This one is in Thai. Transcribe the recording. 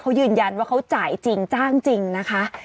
เขายืนยันว่าเขาจ่ายจริงจ้างจริงนะคะ